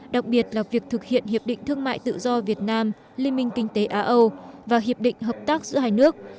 đặc biệt là việc thực hiện hiệp định thương mại tự do việt nam liên minh kinh tế á âu và hiệp định hợp tác giữa hai nước